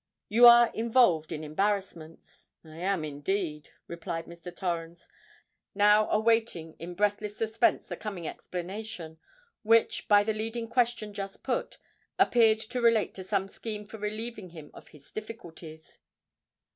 You are involved in embarrassments?" "I am indeed," replied Mr. Torrens, now awaiting breathless suspense the coming explanation, which, by the leading question just put, appeared to relate to some scheme for relieving him of his difficulties.